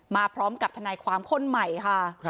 มาพร้อมกับทนายความคนใหม่ค่ะ